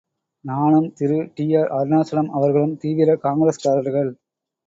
நானும் திரு டி.ஆர்.அருணாசலம் அவர்களும் தீவிர காங்கிரஸ்காரர்கள்.